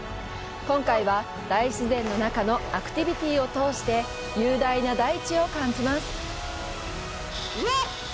今回は、大自然の中のアクティビティを通して雄大な大地を感じます！